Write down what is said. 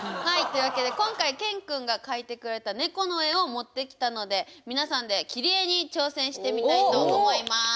というわけで今回ＫＥＮくんが描いてくれた猫の絵を持ってきたので皆さんで切り絵に挑戦してみたいと思います。